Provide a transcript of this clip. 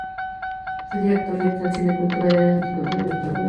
Fue director de Extensión y Cultura de la Universidad de Nuevo León.